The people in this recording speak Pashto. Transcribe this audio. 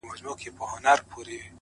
خپل کار په مینه ترسره کړئ’